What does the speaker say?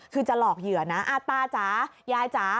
คือจะหลอกเหยื่อนะอะป้าจ๊ะยายจ๊ะ